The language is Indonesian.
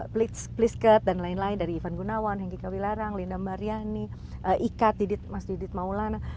please cut dan lain lain dari ivan gunawan hengki kawilarang linda mbaryani ika mas didit maulana